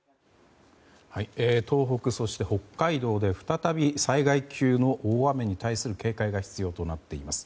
東北、そして北海道で再び災害級の大雨に対する警戒が必要となっています。